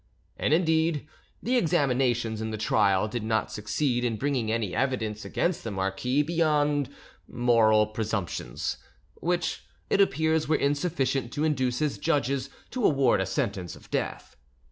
And, indeed, the examinations in the trial did not succeed in bringing any evidence against the marquis beyond moral presumptions, which, it appears, were insufficient to induce his judges to award a sentence of death.